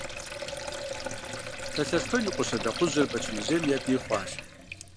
Талъостэн и къуэ Щолэхъужьыр Бэчмырзейм я бий хъуащ.